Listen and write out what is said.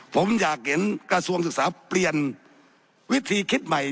ผมอยากเห็นกระทรวงศึกษาเปลี่ยนวิธีคิดใหม่